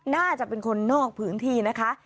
น่าจะเป็นคนนอกพื้นที่นะคะ